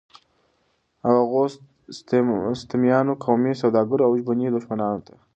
او هغو ستمیانو، قومي سوداګرو او ژبني دښمنانو ته